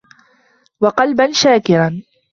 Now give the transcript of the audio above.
وَقَلْبًا شَاكِرًا